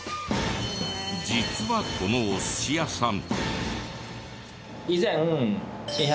実はこのお寿司屋さん。